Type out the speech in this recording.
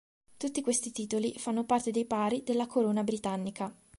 Tutti questi titoli fanno parte dei Pari della corona britannica.